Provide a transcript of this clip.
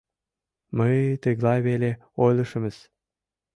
— Мый тыглай веле ойлышымыс.